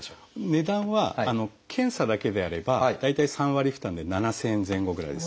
値段は検査だけであれば大体３割負担で７，０００円前後ぐらいです。